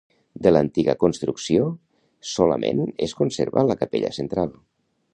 De l'antiga construcció solament es conserva la capella central.